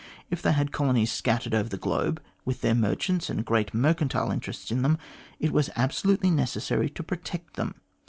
If they had colonies scattered over the globe, with their merchants and great mercantile interests in them, it was absolutely necessary to protect them.